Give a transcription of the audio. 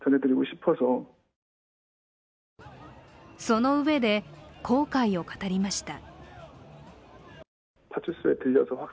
そのうえで、後悔を語りました。